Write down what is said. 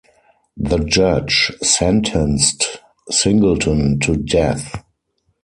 The judge sentenced Singleton to death.